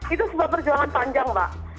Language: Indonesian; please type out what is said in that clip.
itu sebuah perjuangan panjang mbak